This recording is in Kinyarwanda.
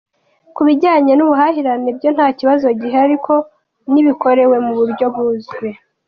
Ku bijyanye n’ubuhahirane byo nta kibazo gihari ariko nibukorwe mu buryo buzwi.